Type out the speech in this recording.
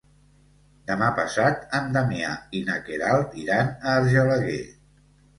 Demà passat en Damià i na Queralt iran a Argelaguer.